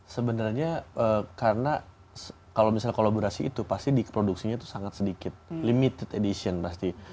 sebenarnya karena kalau misalnya kolaborasi itu pasti diproduksinya itu sangat sedikit limited edition pasti